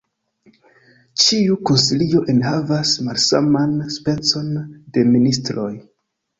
Ĉiu konsilio enhavas malsaman specon de ministroj.